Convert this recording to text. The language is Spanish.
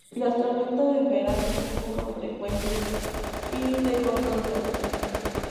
Las tormentas de verano son poco frecuentes y de corta duración.